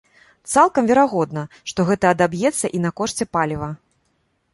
Цалкам верагодна, што гэта адаб'ецца і на кошце паліва.